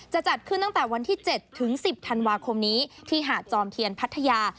จะจัดขึ้นตั้งแต่วันที่๗ถึง๑๐ธันวาคมนี้ที่หาดจอมเทียนพัทยา